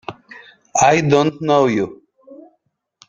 I don't know you!